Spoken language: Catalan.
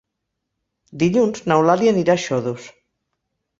Dilluns n'Eulàlia anirà a Xodos.